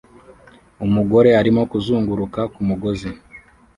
Umugore arimo kuzunguruka ku mugozi